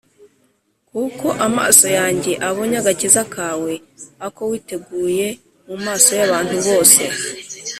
Kuko amaso yanjye abonye agakiza kawe, ako witeguye mu maso y’abantu bose